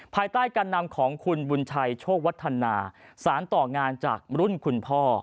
ภายใต้การนำของคุณบุญชัยโชควัฒนาสารต่องานจากรุ่นคุณพ่อ